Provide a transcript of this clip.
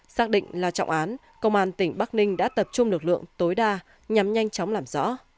xác định là trọng án công an tỉnh bắc ninh đã tập trung lực lượng tối đa nhằm nhanh chóng làm rõ